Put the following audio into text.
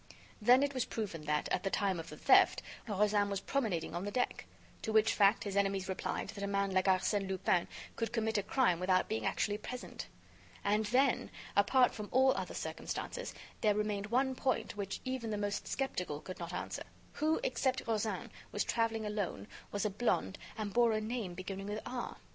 Then it was proven that, at the time of the theft, Rozaine was promenading on the deck. To which fact, his enemies replied that a man like Arsène Lupin could commit a crime without being actually present. And then, apart from all other circumstances, there remained one point which even the most skeptical could not answer: Who except Rozaine, was traveling alone, was a blonde, and bore a name beginning with R?